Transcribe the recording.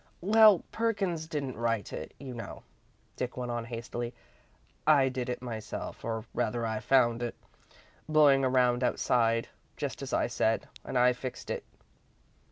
"Well, Perkins didn't write it, you know," Dick went on, hastily. "I did it myself. Or, rather I found it, blowing around, outside, just as I said, and I fixed it."